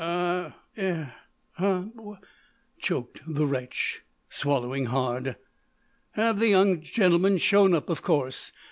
"Ah! Er huh!" choked the wretch, swallowing hard. "Have the young gentleman shown up, of course.